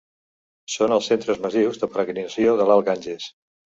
Són els centres massius de peregrinació de l'Alt Ganges.